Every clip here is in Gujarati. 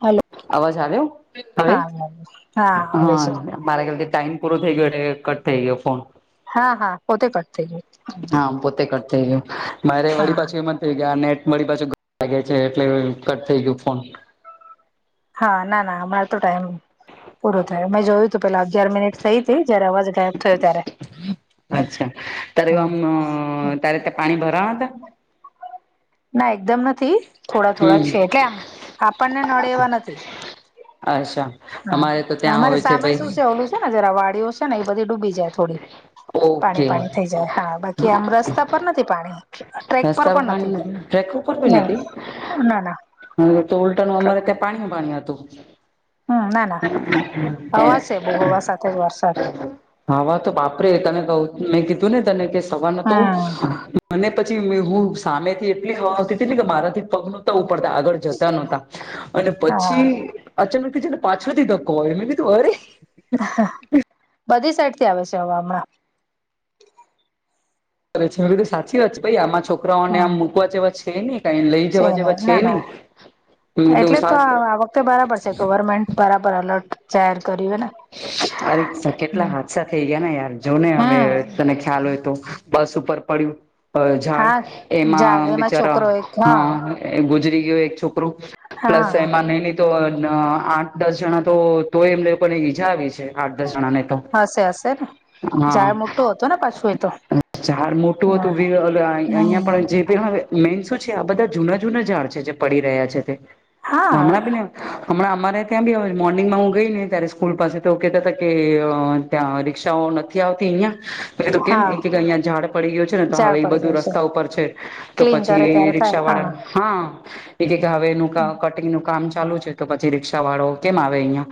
હલો અવાજ આવ્યો હવે હા હા. આવે છે મારે ખ્યાલથી ટાઈમ પૂરો થઈ ગયો એટ્લે કટ થઈ ગયો ફોન હા હા પોતે કટ થઈ ગયું હા પોતે કટ થઈ ગયું મારે વળી હા પાછું એમાં ગયા નેટ મળી પાછું લાગે છે એટલે કટ થઈ ગયું ફોન હા ના ના હમણાં તો ટાઈમ પૂરો થયો મે જોયું તો પેલા અગિયાર મિનિટ થઈ હતી જયારે અવાજ ગાયબ થયો ત્યારે હ ત્યારે તે પાણી ભરાવાના તા ના એકદમ નથી થોડા થોડા હમ છે કેમ આપણને નડે એવા નથી. અચ્છા અમારે તો ત્યાં હોય છે ભઈ. છેને જરા વાડીઓ છે ને એ બધી ડૂબી જાય થોડી પાણી ઓકે પાણી થઈ જાય હા બાકી આમ રસ રસ્તા પર નથી પાણી ટ્રેક પર રસ્તા પણ પાણી નથી ટ્રેક નહી ના ના અમારે ઉલટાનું અમારે ત્યાં પાણી પાણી હતું. હમ ના ના હવા છે બહુ હવા સાથે જ વરસાદ. આવા તો બાપરે તને કહું મેં કીધું ને તને કે સવાર ન તો હમ અને પછી હું સામે થી એટલી હવા આવતી હતી ને કે મારાથી પગનું તો ઉપડતા આગળ જતા નોતા અને હા પછી અચાનક જ છે ને પાછડ થી ધકો આયો મેં કિધુ અરે. કરે બધી સાઈડ થી આવે છે હવા હમણાં રે એ બીધ તો સાચી વાત છે ભાઈ આમાં છોકરાઓને આમ હમ મુૂકવા જેવા છે ની. છે નહી ના ના મેં કીધું એટલે તો સા આ વખતે બરાબર છે ગવર્મેન્ટ બરાબર અલર્ટ જાહેર કર્યું હે ને આ રીત ના કેટલા હમ હાદસા થઈ ગયા ને યાર જો ને હવે. તને ખ્યાલ હોય તો બસ ઉપર પન. અ ઝાડ હા ઝાડ એમાં બિચારા છોકરો એક હા હ ગુજરી ગયયો એક છોકરો પ્લસ એમાં હા ન તો આઠ દસ જણા તો તોય એમનેને ઈજા આવી છે. આઠ દસ જણાને તો હશે હશે જાય હા મોટો હતો ને પાછું એ તો ઝાડ મોટું હતું વ હમ અહિયાં પણ જે હવે મેન શું છે આ બધા જૂના જૂના ઝાડ છે જે પડી રહ્યા છે તે હા ગામડાં બીને હમણા અમારે ત્યા બી હવે મોર્નંગમાં હું ગઈને ત્યારે સ્કૂલ પાસે તો કેતા હતા કે ત્યાં રિક્ષાઓ નથી આવતી અહિયાં એ તો કેમ હા એ કે અહિયાયા ઝાડ પડી ગયો છે ને તો ઝાડ હવે એ પડી બધું ગયું છે રસ્તા ઉપર છે. તો ક્લીન કરે પછી ત્યારે થાય રિક્ષા વાળા હા એ કે હવે એનું કટિંગ નું કામ ચાલુ છે તો પછી રિક્ષા વાળો કેમ આવે અહિયાં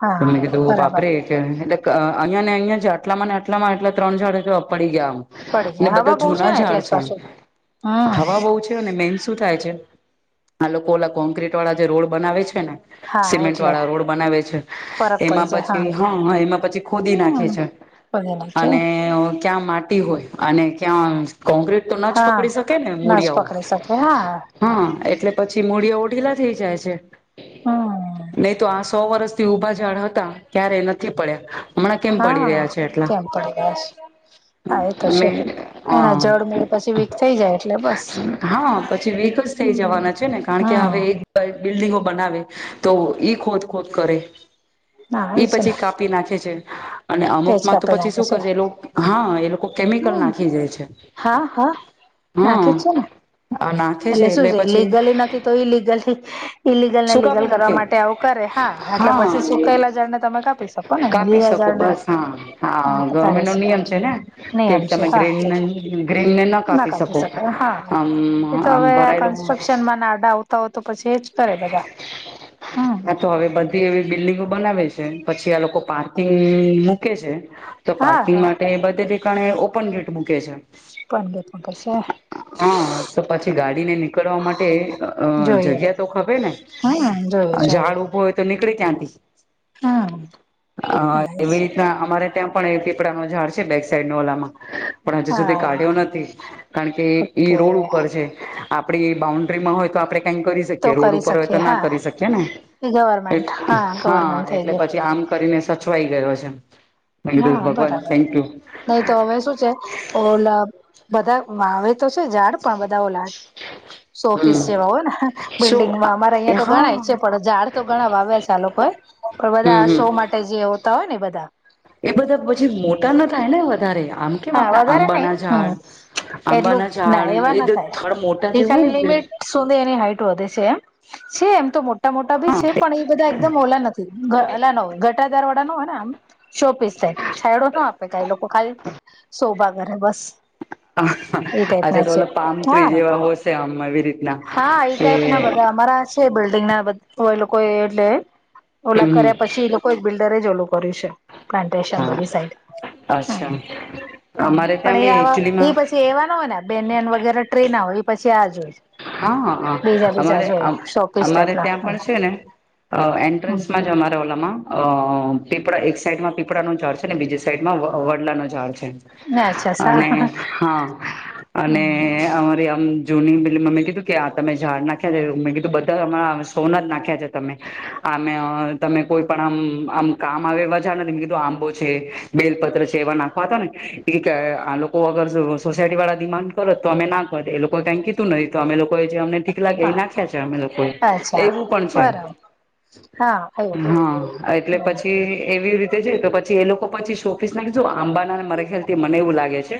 હા તને કધું બરાબર વાપરે એટલે અહિયાં ને અહિયાં છે આટલા ને આટલામાં એટલા ત્રણ ચાર પડી ગયામ પડી જાય બધા હવા બહુ છે જૂના ને એટલે ઝાડ જ છે પાછું હમ હવા બહુ છે. મેન શું થાય છે આ લોકો ઓ કોન્ક્રીટ વાળા જે રોડ બનાવે છે ને હા સિમેન્ટ એટલે વાળા રોડ બનાવે છે. ફરક પડી એમાં જાય પછી હા હા એમાં પછી ખોદી નાખે હમ છે. પધેલા છે અને ક્યાં માટી હોય અને ક્યાં કોકરેજ તો ના જ હા પકડી શકે ને ના જ પકડી શકે હા મૂળિયાઓ હા એટલે પછી મૂળિયા ઓઢીલા થઈ જાય છે હમ નહી તો આ સો વર્ષ ઉભા ઝાડવા હતા ત્યારે નથી પડ્યા હમણાં કેમ પડી હા રહ્યા છે એટલા કેમ પડી ગયા છે હા એ તો છે એના જડ મૂળ પછી વીક થઈ જાય એટલે બસ હા હા પછી વીક જ થઈ જવાના છે ને કારણ કે હવે હમ એક બિલ્ડિંગો બનાવે તો ઈ ખોદ ખોદ કરે ના એ છે પછી ને કાપી નાખે છે. અને અમુક એજ માં તો કાપી પછી નાખે શું કર છે એ લોકો હા એ લોકો કેમિકલ હમ નાખી જાય છે. હા હા નાખે હા છે ને આ નાખે એટલે શું છે પછી લીગલી નથી તો ઇ લીગલ ઈલિગલ ને શું લીગલ કાપી કરવા નાખે માટે આવું કરે હા એટલે હા પછી એ સુખાયેલા જળ ને તમે કાપીશ કાપી શકો બસ હા હા ગવર્મેન્ટ નો નિયમ છે ને [unintelligible] નહી કે એમ છે તમે હા [unintelligible] ના કાપી શકો શકાય હા આમ એ તો હવે આમ આ ભરાયેલું કન્સ્ટ્રક્શન માં નાડાઉટ ત હો તો પછી એ જ કરે બધા હમ આ તો હવે બધી એવી બિલ્ડિંગો બનાવે છે પછી આ લોકો પાર્કિંગ મૂકે છે. તો હા પાર્કિંગ હા માટે બધે [unintelligible] ઓપન ગેટ મૂકે છે. [unintelligible] હા તો પછી ગાડીને નીકળવા માટે અ જોઈએ જગ્યા [unintelligible] ને હમ જોઈએ જોઈએ ઝાડ હોય તો નીકળે ત્યાંથી હમ હ એ ના અમારે ત્યાં પણ એક પીપડા ન ઝાડ છે બેક સાઈડ ન ઓલામાં પણ હજુ સુધી હા કાઢ્યો નથી કારણ કે ઈ રોડ ઓકે ઉપર છે. આપડી બાઉન્ડ્રીમાં હોય તો આપડે કઈક કરી શકીએ તો કે રોડ કરી ઉપર હોય તો શકીએ ના હા કરી શકીએ ને એ ગવર્મેન્ટ હા ગવર્મેન્ટ થઈ એટલે ગયું પછી આમ કરી ને સચવાઈ ગયો છે. મે કીધું હા... ભગવાન બરાબર થેન્ક યુ નહી તો હવે શું છે? ઓલા, બધા આવે તો છે, ઝાડ પણ બધા ઓલા શોપિસ હમ જેવા હોય ને, શું બિલ્ડિંગમાં અમારે અહીંયા તો હા ઘણા છે, પણ ઝાડ તો ઘણા વાવ્યા છે આ લોકો એ. પણ બધા હમ આ હમ શો માટે જે આવતા હોય ને એ બધા એ બધા પછી મોટા ના થાય ને વધારે આમ કેમ હા આપણેે વધારે નઈ આંબાના હમ ઝાડ, એટલું આંબાના ના ઝાડ એ થડ મોટા જેવુ હોય ને કે શું તે એની હાઈટ વધે છે એમ, છે એમ તો મોટા મોટા ભી હા છે પણ ઈ બધા એકદમ ઓલા નથી, અલા ન હોય ઘટાદાર વાડાા નો હોય આમ શો-પીસ ટાઇપ, છાયડો ના આપે કાંઈ લોકો ખાલી શોભા કરે બસ એ ટાઈપ અચ્છા ના તો છે ઓલા પામ ટ્રી હા જેવા હોય શે આમ આવી રીતના હા, એ ટાઈપ ના બધા અમારા છે બિલ્ડંગ ના તો એ લોકો એ એટલે. હમ ઓલા હમ કર્યા પછી એ લોકો એ બિલ્ડરે જ ઓલું કર્યું છે. પ્લાન્ટેશન હા બધી સાઈડ, હ અચ્છા અમારે પણ ત્યાં એ બી આવા એકચુલીમાં એ એવા ના હોય ને બેને ને એન વગેરે ટ્રે ના હોય, એ પછી આ જો હોય. હા-હા.. બીજા હા, બીજા જો શોપીસ ટાઈપ અમારે-અમારે ના ત્યાં પણ છે ને અ.. એન્ટ્રન્સમાં જ અમારે ઓલામાં અ.. પીપળા એક સાઈડ માં, પીપળા નું ઝાડ છે ને બીજી સાઈડ માં વડલા નું ઝાડ છે. અચ્છા સા અને હા અને અમારી આમ જૂની એટલે મમ્મી કીધું કે આ તમે ઝાડ નાખ્યા છે, મેં કીધું બધા આ શો ના જ નાખ્યા છે તમે. આમે, તમે કોઈ પણ આમ, આમ કામ આવે એવા ઝાડ ને, તમે કીધું આંબો છે. બેલપત્ર છે એવા નાખવા હતા ને આ લોકો અગર સોસાયટી વાળા દિમાગ કરત તો અમે ના કરીએ, એ લોકો કઈ કીધું નહી તો અમે લોકો જે અમને ઠીક પેલા ગઈ નાખ્યા છે અમે લોકો એ અચ્છા એવું પણ છે. બરાબર હા એવું હા, એટલે પછી એવી રીતે તો પછી એ લોકો પછી શો-પીસ ના કીધું આંબા ના મારા ખ્યાલ થી મને એવું લાગે છે.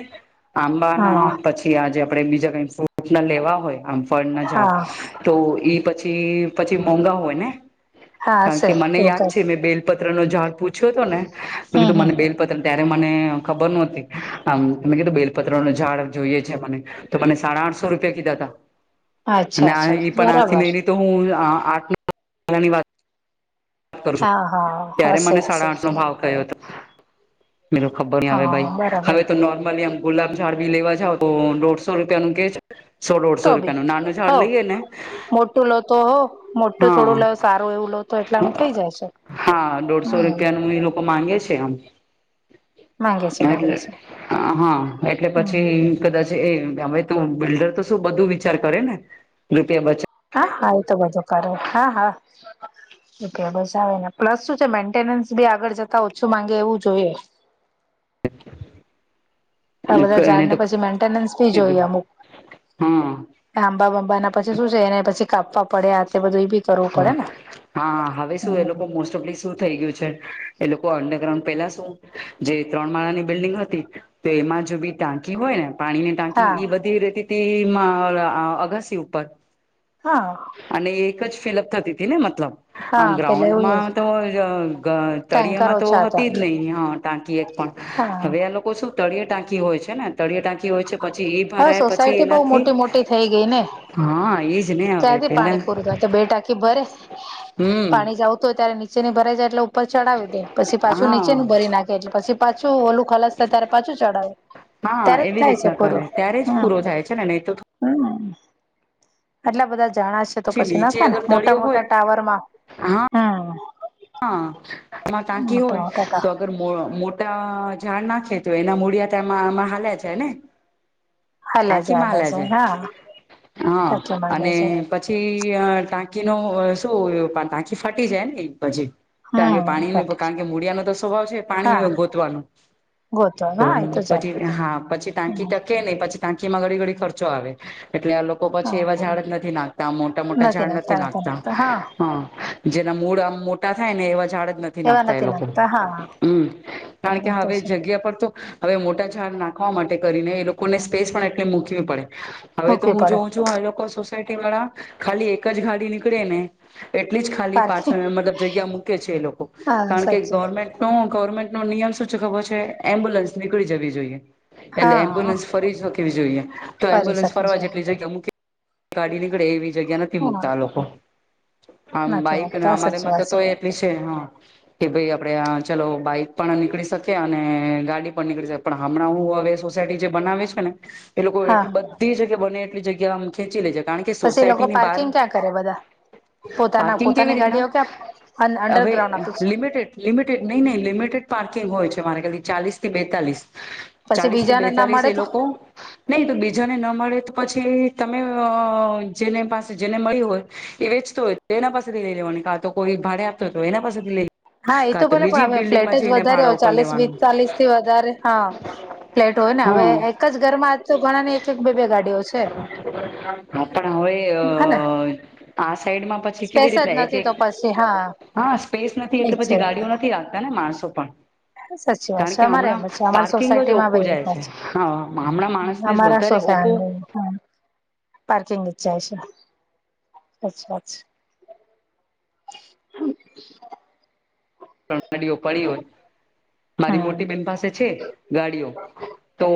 આંબા હા ના પછી, આ, જે આપડે બીજા કઈ ફ્રૂટ ના લેવા હોય આમ ફળ ના ઝાડ હા તો ઈ પછી-પછી મોંઘા હોય ને હા કારણ હશે કે, મને એવું યાદ કઈ છે મે બેલ પત્ર નો ઝાડ પૂછ્યો હતો ને તો, મેં હમ કીધું હમ મને બેલપત્ર ત્યારે મને ખબર નહોતી આમ, તમે કીધું બેલપત્ર નું ઝાડ જોઈએ છે મને તો મને સાડા-આઠસો રૂપિયા કીધા તા અચ્છા અને અચ્છા એ પણ બરાબર આથી તો હું આ આઠ મહિના ની વાત વાત કરશું, હા હા ત્યારે હશે મને હશે સાડા આઠસો ભાવ મેં કીધું ખબર નઈ હવે ભાઈ, હા બરાબર હવે તો નોર્મલી આમ ગુલાબ ઝાડ બી લેવા જાવ તો દોઢસો રૂપિયા નું કે છે. સો-દોઢસો તો બી રૂપિયાનું નાનું ઝાડ હો લઈએે ને, મોટું લો તો હો મોટું હા થોડું લો સારું એવું લો તો એટલાનું થઇ જાય છે હા, દોઢસો હમ રૂપિયા નું એ લોકો માંગે છે આમ માંગે છે માંગે છે [inaudible] હા, એટલે હમ પછી કદાચ એ હવે તો, બિલ્ડર તો શું બધું વિચાર કરે ને. રૂપિયા બચે હા.. હા, એ તો બધું કરે, હા.. હા એટલે બસ આવે ને, પ્લસ શું છે મેન્ટેન્સ બી આગળ જતા ઓછું માંગે એવું જોઈએ. આ બધા બચા એને ઝાડ ને તો પછી મેન્ટેનન્સ બી જોઈએ કીધું અમુક હા આંબા-બાંબા ના પછી શું છે એને પછી કાપવા પડે [unintelligible] હ હા હવે શું એ લોકો મોસ્ટ ઓફ શું થઈ ગયું છે એ લોકો અંડરગ્રાઉન્ડ પેલા શું જે ત્રણ માળાની બિલ્ડિંગ હતી તો એમાં જો બી ટાંકી હોય ને પાણી ને ટાંકી હા ઈ બધી રેતી હતી અગાસી ઉપર હા અને એક જ ફિલઅપ થતી હતી ને મતલબ હા આમ પેલા એવું ગ્રાઉન્ડમાં તો ટેન્કર તળિયિયામાં તો ઓછા હતા હતી જ નઈિ ટાંકી એક પણ હા હવે એ લોકો શું તળીયે ટાંકી હોય છે ને તળયે ટાંકી હોય છે. પછી એ હવે ભરાય પછી સોસાયટી બહુ એનાથી મોટી મોટી થઈ ગઈ ને હા એજ ને હવે ત્યાંથી પેલા પાણી પૂરું થાય તો બે ટાંકી ભરે હમ પાણી જવતું હોય ત્યારે નીચેની ભરાઈ જાય એટલે ઉપર ચડાવી પછી પાછું નીચે હા ભરી નાખે એટલે પછી પાછું ઓલું ખલાસ થાય ત્યારે પાછું ચડાવે હા ત્યારે જ એવી થાય છે રીતના કરે પૂરું ત્યારે જ હમ પૂરો થાય છે ને નહીં તો હમ આટલા બધા જાણાશે તો પછી ના નીચે થાય ને અગર તળિયો મોટા હોય મોટા ટાવર માં હા હમ હા તાંકી મોટા હોય મોટા તો ટાવર અગર મોટા ઝાડ નાખે તો એના મૂળિયા તમાં આમાં હા્યા જાય ને હાલે છે ટાકી હાલે માલા છે હા હા ટાંકી મારે અને છે પછી અ ટાંકી ન શું ટાંકી ફટી જાય ને પછી કારણ કે હમ પાણી કારણ કે મૂળિયાનો તો સ્વભાવ છે હા પાણી ગોતવાનું ગોતો તો હા એ જાય પછી હા પછી ટાકી ટા હ કે નહી પછી ટાંકી માં ઘડી ઘડી ખર્ચો આવે એટલે આ લોકો પછી એવા ઝાડ જ નથી નાખતા મોટા મોટા ઝાડ નથી નાખતા હા જેના મૂળ આમ મોટા થાય ને એવા ઝાડ જ નથી એવા નાખતા એ લોકો નાખતા હા હમ કારણ એ કે તો હવે છે જગ્યા પર તો હવે મોટા ઝાડ નાખવા માટે કરીને એ લોકોને સ્પેસ પણ એટલી મૂકવી પડે હવે તો મૂકવી હું પડે જોઉં છું હ લોકો સોસાયટી વાળા ખાલી એક જ ગાડી નીકળે ને એટલી જ ખાલી પાછળ પારખી મતલબ જગ્યા મૂકે છે એ લોકો હા કારણ કે સાચે ગવર્મેન્ટ ગવર્મેન્ટ નો નિયમ શું છે ખબર છે એમ્બ્યુલન્સ નીકળી જવી જોઈએ એટલે હા એમ્બ્યુલન્સ ફરી શ કેવી જોઈએ તો ફરી એમ્બ્યુલન્સ શકી ફરવા છે જેટલી જગ્યા અમક ગાડી નીકળે એવી જગ્યા નથી હા મુકતા આ લોકો આમ નથી બાઈક અને મુકતા અમારે સાચી માં તો વાત છે તો કે ભાઈ આપણે ચલો બાઈક પણ નીકળી શકી અને ગાડી નીકળી પણ હમણાં હું હવે સોસાયટી જે બનાવે છે ને એ લોકો એટ હા બધ એલી જગ્યા બને એટલી જગ્યા ખેંચી લેજે કારણ કે પછી એ લોકો સોસાયટી ની બહાર પાર્કિંગ ક્યાં કરે બધા પોતાના પાર્કિંગ કેવી પોતાની ગાડીઓ ક્યાં રીતના હવે અંડરગ્રાઉન્ડ આપે છે લિમિટેડ લિમિટેડ નહી નહી લિમિટેડ પાર્કિંગ હોય છે મારે કથી ચાલીસ થી બેતાલીસ પછી ચાલીસ થી બીજાને ના બેતાલીસ મળે એ તો લોકો નહી તો બીજાને ન મળે તો પછી તમે જેને પાસે જેને મળી હોય એ વેચતો હોય તો એના પાસેથી લઈ લેવાની કા તો કોઈ ભાડ તો એના પાસેથી લ હા એ તો બોલે પણ હવે ફ્લેટ જ વધારે હ ભાડા ઉપર ચાલીસ વીસ્ લેવાનું ચાલીસ થી વધારે હા ફ્લેટ હોય ને હવે હા એક જ ઘરમાં આજ તો ઘણા ને એક એક બે બે ગાડીઓ છે. હા પણ હવે અ હેને આ સાઈડમાં પછી સ્પેસ કેવી જ રીતે નથી તો કે હા હા સ્પેસ નથી એજ એટલે પછી છે ગાડીઓ નથી રાખતા ને માણસો પણ સાચી વાત કારણ છે કે અમારે હમણાં એમ જ છે અમારી પાર્કિંગ જ સોસાયટીમાં બે ઓખું જાય રીતના છે હ હમણાં માણસ ને અમારા વધારે ઓખું. સોસાયટી પાર્કિંગ જાય છે અચ્છા અચ્છા. હ ત્રણ ગાડીયો પડી હોય. મારી હમ મોટી બેન પાસે છે ગાડીઓ તો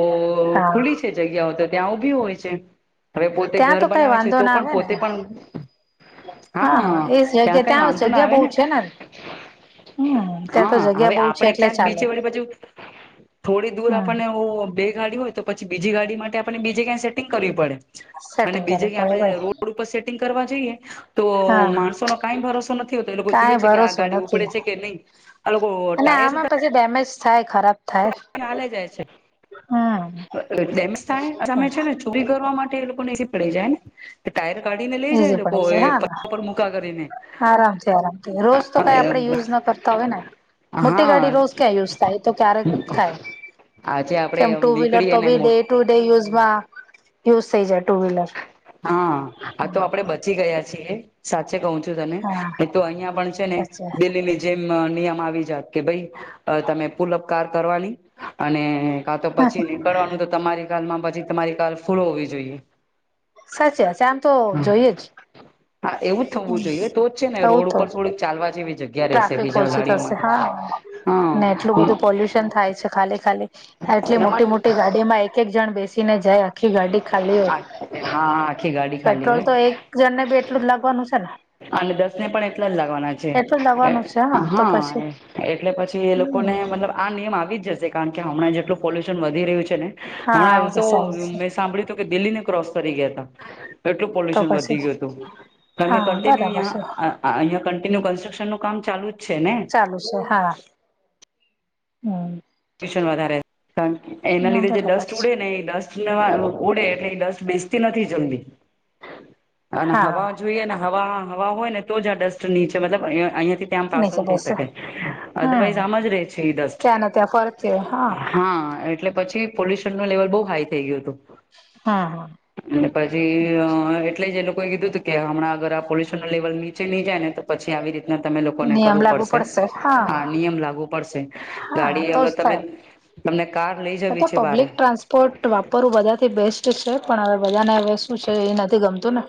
હા ખુલી છે. જગ્યાઓ તો ત્યાં ઊભી હોય છે. હવે પોતે ત્યાં ઘર તો કઈ બનાવે છે વાંધો તો ના પણ આવે ને પોતે પણ હા એ જગ્યા ત્યાં કઈ વાંધો ના જગ્યા આવે બહુ ને. છે હમ ત્યાં તો હા જગ્યા હવે બહુ છે આપણેે એટલે ક્યાંક બીચે ચાલે વળી બાજુ થોડી દૂર હમ આપણને ઓ બે ગાડી હોય તો પછી બીજી ગાડી માટે આપણે બીજ કંઈ સેટિંગ કરવી પડે. અને સેટિંગ બીજે કરવું ક્યા પડે આપણે ભાઈ રોડ ઉપર સેટ સેટિંગ કરવા જઈએ તો હા માણસો ન કઈ ભરોસો નથી હોતો એ લોકો કઈ જોય છે કે આ ભરોસો ગાડી ઉપડે નથી છે. કે નહી આ લોકો ટાયર સુધા તે ડેમેજ થાય ખરાબ થાય હાલે જાય છે હમ તમે છે ને [unintelligible] ઊભી કરવા માટે એ લોકો ઈજી પડી જાય ને. ટાયર કાઢીને લઈ જાય એઝી લોકો પડે છે એ હા પત્તા પર મુૂકા કરીને. આરામથી આરામથી રોજ તો કાઈ આપણે યુઝ ના કરતા હોય ને મોટી હા ગાડી રોજ ક્યાં યુઝ તઈ તો ક્યારેક થાય આજે આપડે કેમ ટુ વ્હીલર નીકળીએ તો ને બી મો ડેટ ટુ ડે યુઝ માં યુઝ થઈ જાય ટુ વ્હીલર હા આ તો આપડે બચી ગયા છીએ સાચે કહું છું. તો તને હા નઈ તો અહિયાં પણ છે ને સાચી વાત દિલ્હી જેમ અ નિયમ આવી જાત કે અ ભાઈ તમે પુલ અપ કાર કરવાની અને કા તો પછી નીકળવાનું તો તમારી કારમાં પછી તમારી કાર ફૂલો હોવી જોઈએ. સાચી વાત છે આમ તો હમ જોઈએ જ. હા એવું જ થવું જોઈએ તો જ છે ને એવું રોડ તો ઉપર થોડીક ચાલવા જેવી જગ્યા રહેશે ટ્રાફિક બીજા ઓછી ગાડીઓ થશે માટે હા ને એટલું હા બધું પોલ્યુશન થાય છે ખાલી ખાલી આ એટલે એમાં મોટી મોટી ગાડી માં એક એક જણ બેસીને જાય આખી ગાડી ખાલી હો હા આખી ગાડી ખાલી હોય પેટ્રોલ તો એક જણને બી એટલું જ લાગવાનું છે ને. અને દસ ને પણ એટલા જ લાગવાના છે. એટલું જ લાગવાનું છે તો હા પછી એટલે પછી એ હમ લોકોને મતલબ આ નિયમ આવી જશે કારણ કે હમણાં જેટલું પોલ્યુશન વધી રહ્યું છે ને હા આવી હમણાં તો જશે આવી જશે મેં સાંભળ્યું કે દિલ્હીને ક્રોસ કરી ગયા ત એટલું તો પોલ્યુશન પછી વધી ગયું હતું. કારણ કે હા બરાબર કન્ટિન્યુ છે અ અહીંયા કન્ટિન્યુ કન્સ્ટ્રક્શનનું કામ ચાલુ જ છે ને. ચાલુ છે હા હમ ટ્યુશન વધારે કારણ કે એના લીધે જે બરાબર ડસ્ટ છે ઉડે ને એ ડસ્ટ ઉડે એટલે એ ડસ્ટ બેસતી નથી જલ્દી અને હા હવા જોઈએ ને હવા હવા હોય ને તો જ આ ડસ્ટ નીચે મતલબ અહિયા અહિયાથી ત્યાં આ નીચે પાસોન થઈ બેસે શકે હમ અદરવાઈઝ આમ જ રહે છે ઈ દસ્ટ ત્યાંને ત્યાં ફરતી હોય હા હા એટલે પછી પોલ્યુશન નું લેવલ બહુ હાઈ થઈ ગયું હતું. હા. અને પછી અ એટલે જ એ લોકોએ કીધું હતું કે હમણાં અગર આ પોલ્યુશન ન લેવલ નીચે નહી જાય ને તો પછી આવી રીતના તમે લોકોને નિયમ કરવું લાગુ પડશે, આ હા નિયમ લાગવુ પડશે, હા ગાડી તો અગર જ તમે થાય તમને કાર લઈ જવી છે બરે. ટ્રાસપર્ટ વાપરવું બધા થી બેસ્ટ છે પણ હવે બધાને હવે શું છે એ નથી ગમતું ને.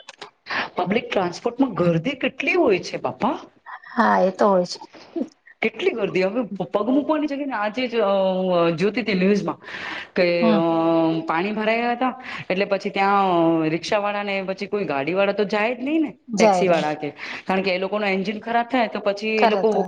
પબ્લિક ટ્રાન્સપોર્ટમાં ગરદી કેટલી હોય છે બાપા. હા એ તો હોય છે. કેટલી ગારડી હવે પગ મૂકવાની જગ્યા ને આજે જ જોતી હતી ન્યૂઝમાં. કે હમ પાણી ભરાયા હતા, એટલે પછી ત્યાં રિક્ષા વાળા ને પછી કોઈ ગાડી વાળા તો જાય જ નહી ને. જાય ટેક્સી નહી વાળા કે, કારણ કે એ લોકો ન એન્જિન ખરાબ થાય તો પછી એ કરે લોકો તો